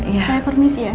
saya permisi ya